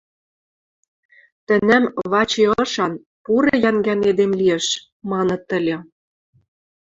Тӹнӓм «Вачи ышан, пуры йӓнгӓн эдем лиэш» маныт ыльы...